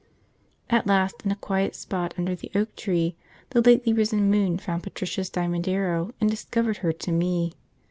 At last, in a quiet spot under the oak tree, the lately risen moon found Patricia's diamond arrow and discovered her to me.